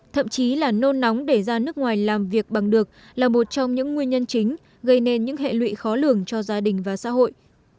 thậm chí là nôn nóng để ra nước ngoài làm việc bằng được là một trong những nguyên nhân chính gây nên những hệ lụy khó lường cho gia đình và xã hội